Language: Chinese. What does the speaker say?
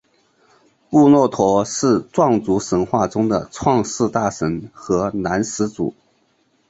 布洛陀是壮族神话中的创世大神和男始祖。